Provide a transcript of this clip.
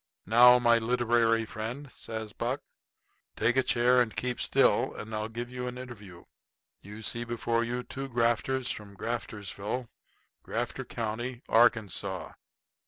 "Now, my literary friend," says Buck, "take a chair, and keep still, and I'll give you an interview. You see before you two grafters from Graftersville, Grafter County, Arkansas.